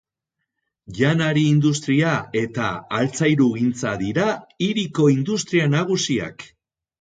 Janari-industria eta altzairugintza dira hiriko industria nagusiak.